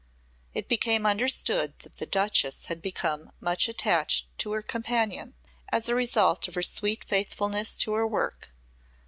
It became understood that the Duchess had become much attached to her companion as a result of her sweet faithfulness to her work.